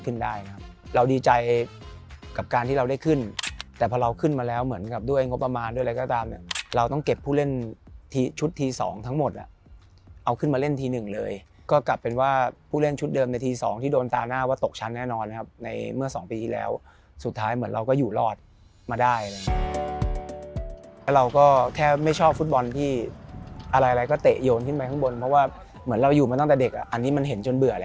กับการที่เราได้ขึ้นแต่พอเราขึ้นมาแล้วเหมือนกับด้วยงบประมาณด้วยอะไรก็ตามเนี้ยเราต้องเก็บผู้เล่นชุดทีสองทั้งหมดอ่ะเอาขึ้นมาเล่นทีหนึ่งเลยก็กลับเป็นว่าผู้เล่นชุดเดิมในทีสองที่โดนตาหน้าว่าตกชั้นแน่นอนนะครับในเมื่อสองปีที่แล้วสุดท้ายเหมือนเราก็อยู่รอดมาได้เราก็แค่ไม่ชอบฟุตบอลที่อะไรอะไรก็เตะโย